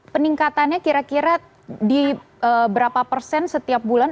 peningkatannya kira kira di berapa persen setiap bulan